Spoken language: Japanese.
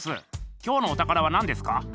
きょうのお宝はなんですか？